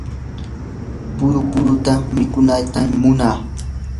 puru puruta mikuytam munaa.